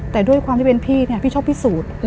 แต่ด้วยความที่เป็นพี่เนี่ยพี่ชอบพิสูจน์